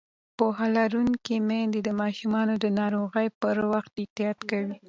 پوهه لرونکې میندې د ماشومانو د ناروغۍ پر وخت احتیاط کوي.